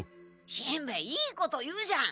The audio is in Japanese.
しんべヱいいこと言うじゃん。